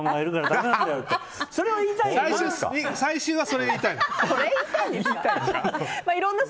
最終はそれを言いたいの。